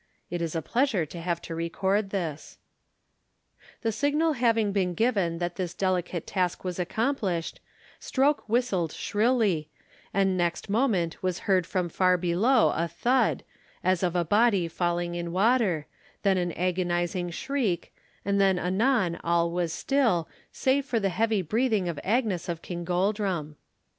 (It is a pleasure to have to record this.) The signal having been given that this delicate task was accomplished, Stroke whistled shrilly, and next moment was heard from far below a thud, as of a body falling in water, then an agonizing shriek, and then again all was still, save for the heavy breathing of Agnes of Kingoldrum.